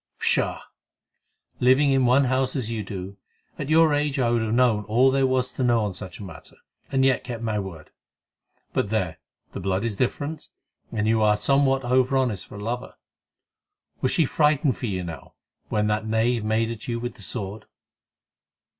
"Pshaw! Living in one house as you do, at your age I would have known all there was to know on such a matter, and yet kept my word. But there, the blood is different, and you are somewhat over honest for a lover. Was she frightened for you, now, when that knave made at you with the sword?"